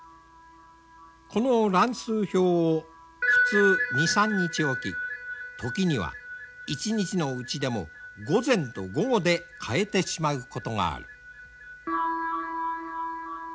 この乱数表を普通２３日置き時には一日のうちでも午前と午後で変えてしまうことがある。